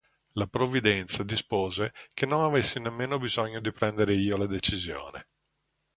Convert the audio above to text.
La provvidenza dispose che non avessi nemmeno bisogno di prendere io la decisione.